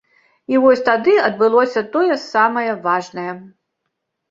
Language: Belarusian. І вось тады адбылося тое самае важнае.